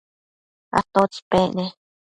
¿atótsi pec ne?